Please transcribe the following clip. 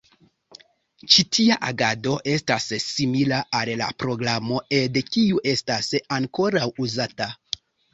Ĉi tia agado estas simila al la programo ed, kiu estas ankoraŭ uzata.